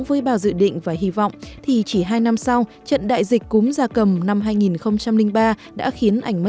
với bao dự định và hy vọng thì chỉ hai năm sau